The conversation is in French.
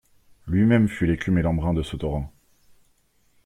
Lui-même fut l'écume et l'embrun de ce torrent.